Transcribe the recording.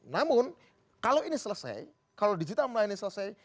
namun kalau ini selesai kalau digital melayani selesai